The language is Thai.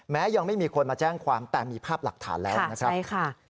ยังไม่มีคนมาแจ้งความแต่มีภาพหลักฐานแล้วนะครับใช่ค่ะ